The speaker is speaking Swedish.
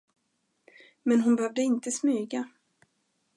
Men hon behövde inte smyga.